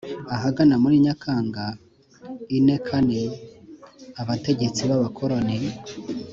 Ahagana muri Nyakanga ine kane, abategetsi b’abakoloni